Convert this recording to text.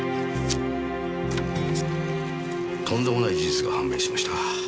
とんでもない事実が判明しました。